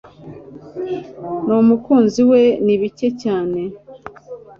Numukunzi we ni bike cyane